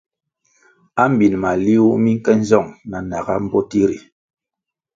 Ambin maliuh mi nke nzong na naga mbpoti ri.